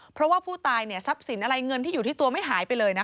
เพราะว่าผู้ตายทรัพย์สินอะไรเงินที่อยู่ที่ตัวไม่หายไปเลยนะคะ